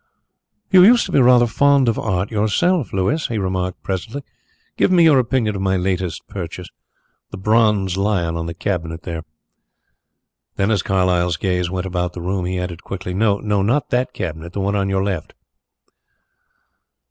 "You used to be rather fond of art yourself, Louis," he remarked presently. "Give me your opinion of my latest purchase the bronze lion on the cabinet there." Then, as Carlyle's gaze went about the room, he added quickly: "No, not that cabinet the one on your left."